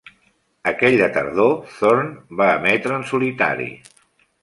Aquella tardor, Thorn va emetre en solitari.